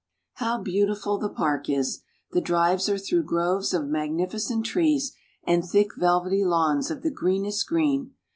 How beautiful the park is ! The drives are through groves of magnificent trees and thick velvety lawns of the greenest green.